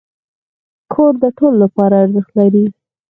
کور د ټولو لپاره ارزښت لري.